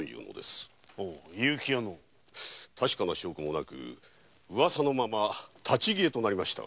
確かな証拠もなくウワサのまま立ち消えとなりましたが。